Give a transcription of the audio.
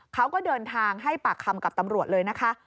เขาก็เดินทางให้ปากคำกับตำรวจเลยนะคะ